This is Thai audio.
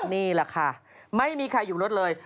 นี่แหละค่ะไม่มีใครอยู่รถเลย